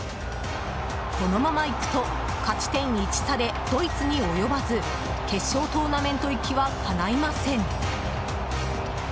このままいくと勝ち点１差でドイツに及ばず決勝トーナメント行きはかないません。